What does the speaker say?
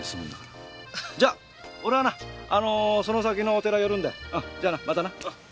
じゃ俺はなあのその先のお寺寄るんでじゃあなまたな。